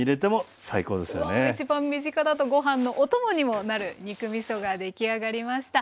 わあ一番身近だとご飯のお供にもなる肉みそが出来上がりました。